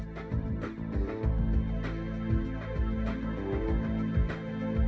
kamu lihat orang ini